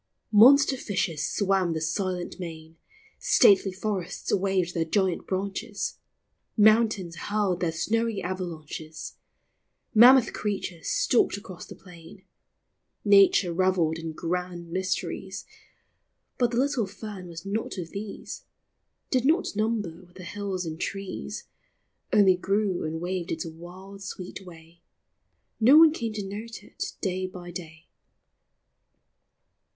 Monster fishes swam the silent main, Stately forests waved their giant branches, Mountains hurled their snowy avalanches, Mammoth creatures stalked across the plain ; Nature revelled in grand mysteries, But the little fern was not of these, Did not number with the hills and trees ; Only grew and waved its wild sweet way, No one came to note it day by day.